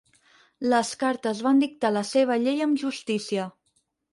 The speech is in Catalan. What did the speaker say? Les cartes van dictar la seva llei amb justícia.